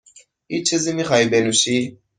هیچ چیزی میخواهی بنوشی؟